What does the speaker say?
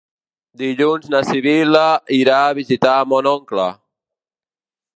Dilluns na Sibil·la irà a visitar mon oncle.